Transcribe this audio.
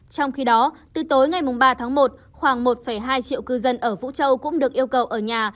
trong khi đó từ tối ngày ba tháng một khoảng một hai triệu cư dân ở vũ châu cũng được yêu cầu ở nhà